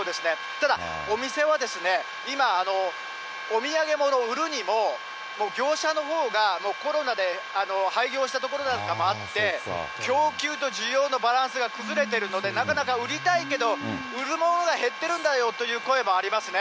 ただ、お店は今、お土産物を売るにも、もう業者のほうがもうコロナで、廃業したところなんかもあって、供給と需要のバランスが崩れているので、なかなか売りたいけど、売るものが減っているんだよという声もありますね。